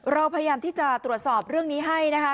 เราพยายามที่จะตรวจสอบเรื่องนี้ให้นะคะ